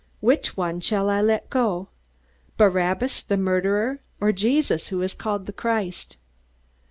Which one shall I let go? Barabbas the murderer or Jesus who is called the Christ?"